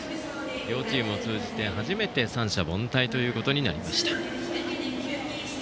両チームを通じて初めて三者凡退となりました。